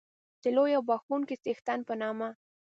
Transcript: د لوی او بخښونکی څښتن په نامه